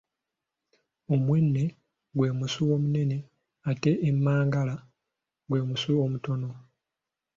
Omwene gwe musu omunene ate emmangala gwe musu omutono.